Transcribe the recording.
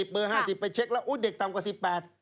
เบอร์๕๐ไปเช็คแล้วเด็กต่ำกว่า๑๘